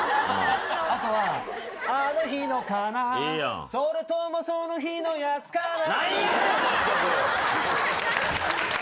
あとは、あの日のかな、それともその日のやつかな。